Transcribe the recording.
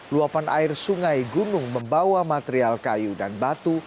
luapan air sungai gunung membawa material kayu dan batu